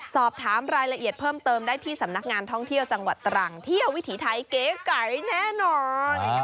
สอบถามรายละเอียดเพิ่มเติมได้ที่สำนักงานท่องเที่ยวจังหวัดตรังเที่ยววิถีไทยเก๋ไก่แน่นอน